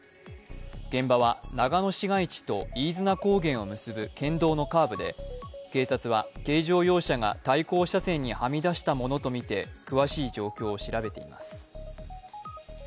現場は長野市街地と飯綱高原を結ぶ県道のカーブで警察は軽乗用車が対向車線にはみ出したものとみて詳しい状況を調べています。